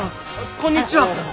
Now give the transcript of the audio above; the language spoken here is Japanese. こんにちは。